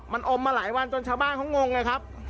มันอมมาหลายวันจนชาวบ้านเขางงไงครับ